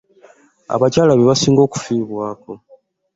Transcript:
Abakyala be basinga okufiibwako.